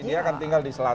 dia akan tinggal di selatan